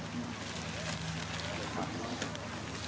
สวัสดีครับทุกคน